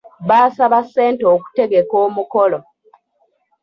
Baasaba ssente okutegeka omukolo.